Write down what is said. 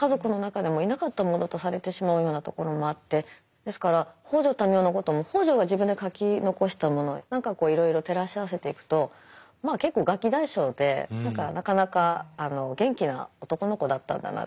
ですから北條民雄のことも北條が自分で書き残したものなんかをいろいろ照らし合わせていくとまあ結構ガキ大将でなかなか元気な男の子だったんだなって。